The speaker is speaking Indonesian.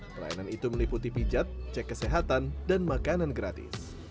pelayanan itu meliputi pijat cek kesehatan dan makanan gratis